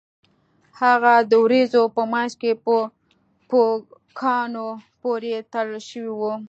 هغه د ورېځو په مینځ کې په پوکاڼو پورې تړل شوی و